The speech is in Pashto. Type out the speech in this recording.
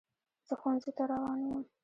زه ښوونځي ته روان یم.